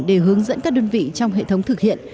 để hướng dẫn các đơn vị trong hệ thống thực hiện